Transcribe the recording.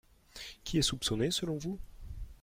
Qui est soupçonné selon vous ?